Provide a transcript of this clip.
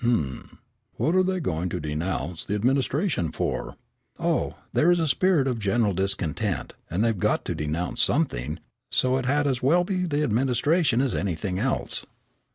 "Hum, what are they going to denounce the administration for?" "Oh, there's a spirit of general discontent, and they've got to denounce something, so it had as well be the administration as anything else."